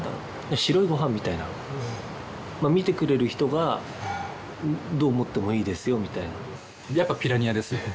白いご飯みたいな見てくれる人がどう思ってもいいですよみたいなやっぱピラニアですよ